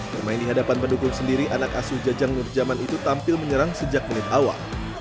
bermain di hadapan pendukung sendiri anak asuh jajang nurjaman itu tampil menyerang sejak menit awal